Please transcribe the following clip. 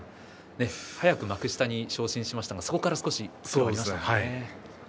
早く幕下に昇進しましたがそこから少し時間がかかりましたね。